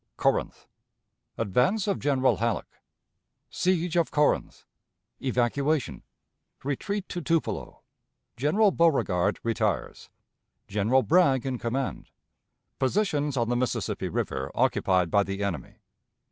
Corinth. Advance of General Halleck. Siege of Corinth. Evacuation. Retreat to Tupelo. General Beauregard retires. General Bragg in Command. Positions on the Mississippi River occupied by the Enemy.